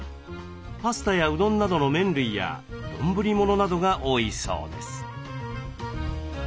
パスタやうどんなどの麺類や丼物などが多いそうです。